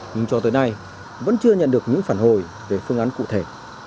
nhưng cho tới nay vẫn chưa nhận được những phản hồi về phương án cụ thể